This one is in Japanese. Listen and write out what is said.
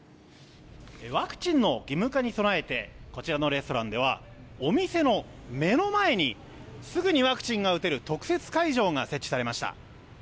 ワクチンの義務化に備えてこちらのレストランではお店の目の前にすぐにワクチンが打てる特設会場が設置されました。